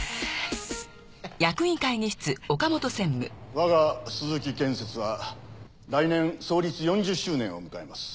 我が鈴木建設は来年創立４０周年を迎えます。